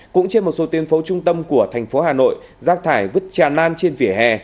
cũng trên một số tuyến phố trung tâm của thành phố hà nội rác thải vứt tràn lan trên vỉa hè